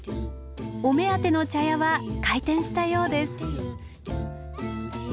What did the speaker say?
お目当ての茶屋は開店したようです。